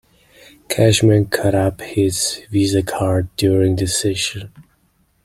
Cashman cut up his Visa card during the session.